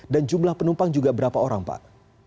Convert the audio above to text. dan jumlah penumpang juga berapa orang pak